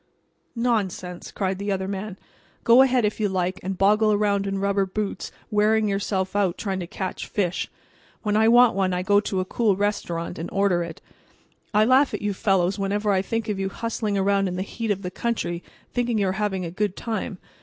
"Nonsense!" cried the other man. "Go ahead, if you like, and boggle around in rubber boots wearing yourself out trying to catch fish. When I want one I go to a cool restaurant and order it. I laugh at you fellows whenever I think of you hustling around in the heat in the country thinking you are having a good time.